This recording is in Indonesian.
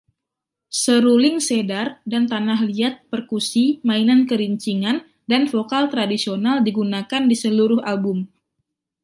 Seruling cedar dan tanah liat, perkusi, mainan kerincingan, dan vokal tradisional digunakan di seluruh album.